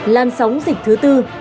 lan sóng dịch thứ ba